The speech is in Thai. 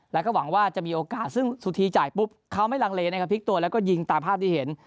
แล้วก็หวังว่าจะมีโอกาสซึ่งสุธีจ่ายปุ๊บเขาไม่ลังเลนะครับพลิกตัวแล้วก็ยิงตามภาพที่เห็น